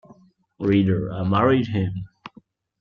Reader, I married him.